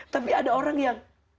tapi ada orang yang